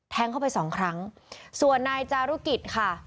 เข้าไปสองครั้งส่วนนายจารุกิจค่ะ